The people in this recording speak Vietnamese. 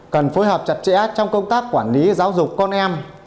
cần phối hợp chặt chẽ trong công tác quản lý giáo dục con em